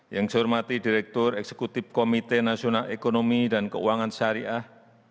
yang saya hormati direktur eksekutif komite nasional ekonomi dan keuangan syariah